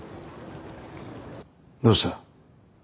どうした。